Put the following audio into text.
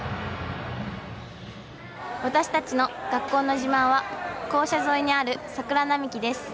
私たちの学校の自慢は校舎沿いにある桜並木です。